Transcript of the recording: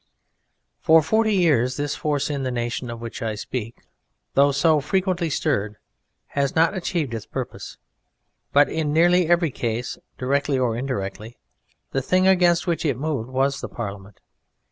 For forty years this force in the nation of which I speak, though so frequently stirred, has not achieved its purpose. But in nearly every case, directly or indirectly, the thing against which it moved was the Parliament.